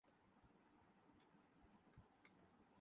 درجِ بالا آیات کے مطالعے سے واضح ہو جاتا ہے